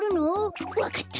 わかった。